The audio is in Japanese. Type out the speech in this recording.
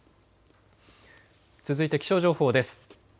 続いて気象情報です。